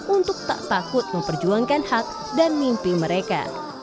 untuk tak takut memperjuangkan hak dan mimpi mereka